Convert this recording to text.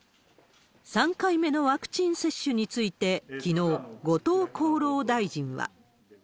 ３回目のワクチン接種について、きのう、後藤厚労大臣は。